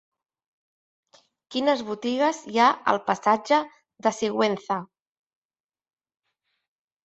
Quines botigues hi ha al passatge de Sigüenza?